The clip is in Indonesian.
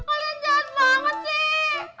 kalian jahat banget sih aku kan lagi sedih